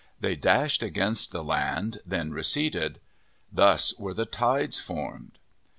They dashed against the land, then receded. Thus were the tides formed.